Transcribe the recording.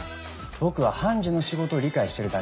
僕は判事の仕事を理解してるだけです。